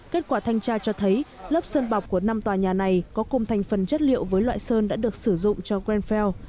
kết quả thanh tra cho thấy lớp sơn bọc của năm tòa nhà này có cùng thành phần chất liệu với loại sơn đã được sử dụng cho greenfell